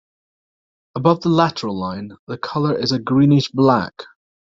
Above the lateral line, the color is a greenish black.